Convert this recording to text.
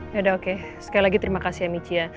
ya udah oke sekali lagi terima kasih ya michia